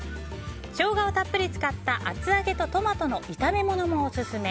ショウガをたっぷり使った厚揚げとトマトの炒めものもオススメ。